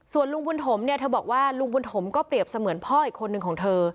ส่วนลุงบุญถมเนี่ยเธอบอกว่าลุงบุญถมก็เปรียบเสมือนพ่ออีกคนนึงของเธอ